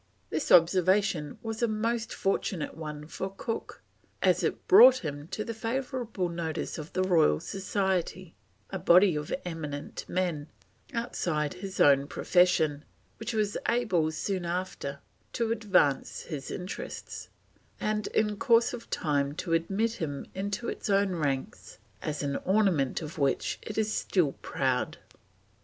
This observation was a most fortunate one for Cook, as it brought him to the favourable notice of the Royal Society, a body of eminent men, outside his own profession, which was able, soon after, to advance his interests, and in course of time to admit him into its own ranks as an ornament of which it is still proud.